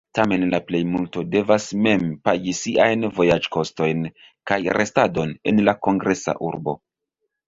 Tamen la plejmulto devas mem pagi siajn vojaĝkostojn kaj restadon en la kongresa urbo.